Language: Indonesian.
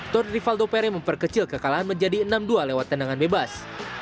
tor rivaldo pere memperkecil kekalahan menjadi enam dua lewat tendangan bebas